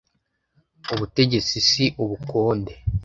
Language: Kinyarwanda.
ubutegetsi si ubukonde